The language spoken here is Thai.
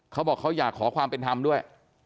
เขาบอกเขาอยากขอความเป็นธรรมด้วย